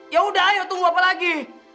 ya udah ayo tunggu apa lagi